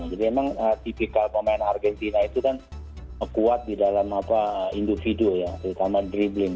jadi memang tipikal pemain argentina itu kan kuat di dalam apa individu ya terutama dribbling